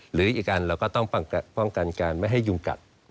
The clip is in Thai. หรืออีกอันเราก็ต้องป้องกันการไม่ให้ยุงกัด